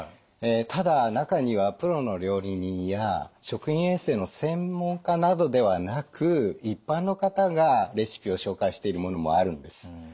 ただ中にはプロの料理人や食品衛生の専門家などではなく一般の方がレシピを紹介しているものもあるんです。